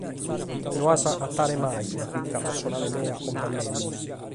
No as a agatare mai una crìtica personale mea contra a nemos.